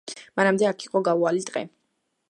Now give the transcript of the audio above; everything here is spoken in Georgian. მანამდე აქ იყო გაუვალი ტყე.